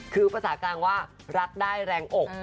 คือภาษากลางว่ารักได้แรงอก